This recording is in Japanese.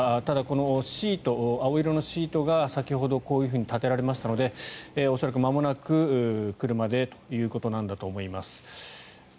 ただ、この青色のシートが先ほどこういうふうに立てられましたので恐らくまもなく車でということなんだと思います。